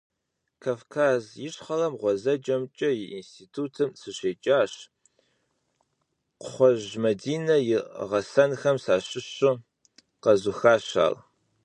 Кавказ Ищхъэрэм ГъуазджэмкӀэ и институтым сыщеджащ, Кхъуэжь Мадинэ и гъэсэнхэм сащыщу къэзухащ ар.